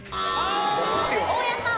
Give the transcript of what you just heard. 大家さん。